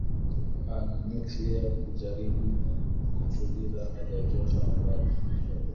a nuclear kujaribu kutuliza hali joto ambalo